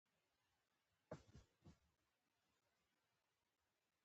له مفتي صاحب سره باید اړیکه ونیول شي.